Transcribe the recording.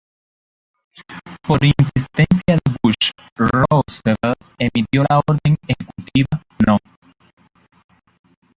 Por insistencia de Bush, Roosevelt emitió la Orden Ejecutiva No.